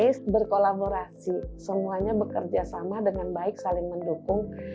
base berkolaborasi semuanya bekerja sama dengan baik saling mendukung